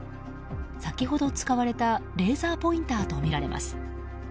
先ほど使われたレーザーポインターとみられます。